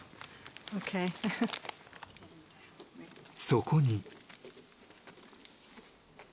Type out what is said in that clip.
［そこに］